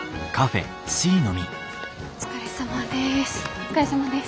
お疲れさまです。